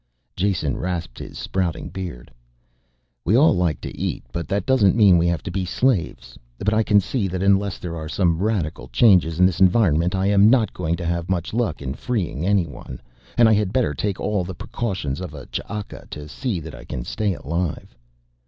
Jason rasped his sprouting beard. "We all like to eat, but that doesn't mean we have to be slaves. But I can see that unless there are some radical changes in this environment I am not going to have much luck in freeing anyone, and I had better take all the precautions of a Ch'aka to see that I can stay alive."